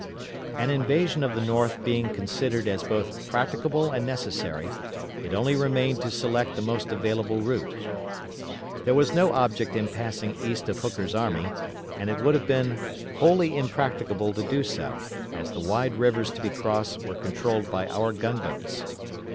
An invasion of the North being considered as both practicable and necessary, it only remained to select the most available route. There was no object in passing east of Hooker's army, and it would have been wholly impracticable to do so, as the wide rivers to be crossed were controlled by our gunboats.